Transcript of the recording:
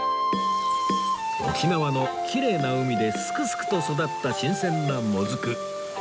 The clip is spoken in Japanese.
沖縄のきれいな海ですくすくと育った新鮮なモズク